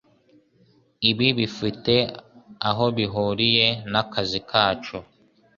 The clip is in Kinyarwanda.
Ibi bifite aho bihuriye nakazi kacu?